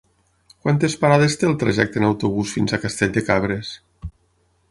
Quantes parades té el trajecte en autobús fins a Castell de Cabres?